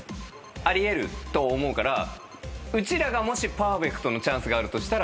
あり得ると思うからうちらがもしパーフェクトのチャンスがあるとしたら。